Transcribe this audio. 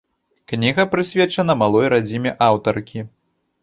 Кніга прысвечана малой радзіме аўтаркі.